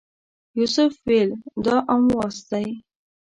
یوسف ویل دا امواس دی.